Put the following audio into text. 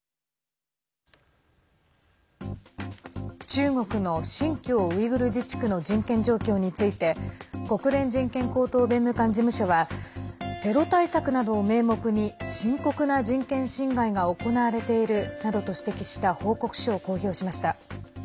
中国の新疆ウイグル自治区の人権状況について国連人権高等弁務官事務所はテロ対策などを名目に深刻な人権侵害が行われているなどと指摘した報告書を公表しました。